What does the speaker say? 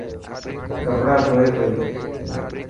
ڪپڙا ڌوئي پئي.